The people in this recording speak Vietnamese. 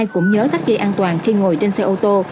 ai cũng nhớ tắt ghế an toàn khi ngồi trên xe ô tô